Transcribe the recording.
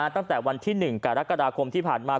ตั้งแต่วันที่๑กรกฎาคมที่ผ่านมา